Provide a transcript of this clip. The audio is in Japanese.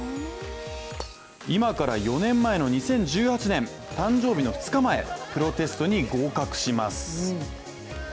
今から４年前の２０１８年、誕生日の２日前プロテストに合格します。